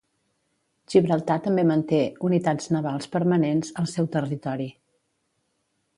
Gibraltar també manté unitats navals permanents al seu territori.